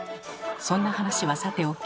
そんな話はさておき